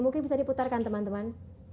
mungkin bisa diputar kan teman teman